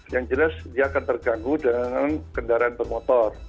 yang jelas dia akan terganggu dengan kendaraan bermotor